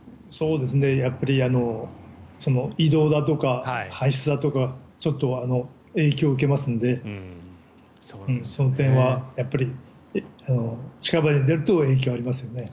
やっぱり移動だとか排出だとか影響を受けますのでその点は近場で出ると影響がありますよね。